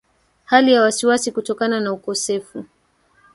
hali ya wasiwasi kutokana na ukosefu